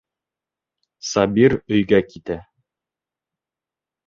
Сабир өйгә китә.